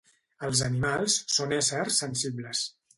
Els animals són éssers sensibles.